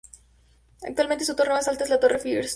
Actualmente su torre más alta es la Torre First.